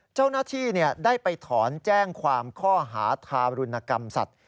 เจ้าหน้าที่ได้ไปถอนแจ้งความข้อหาทารุณกรรมสัตว